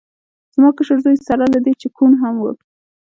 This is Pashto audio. زما کشر زوی سره له دې چې کوڼ هم و